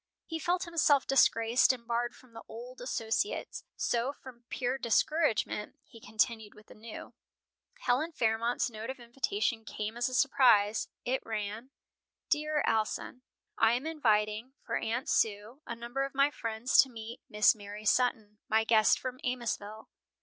He felt himself disgraced and barred from the old associates; so, from pure discouragement, he continued with the new. Helen Fairmont's note of invitation came as a surprise. It ran: "DEAR ALSON: I am inviting, for Aunt Sue, a number of my friends to meet Miss Mary Sutton, my guest from Amosville.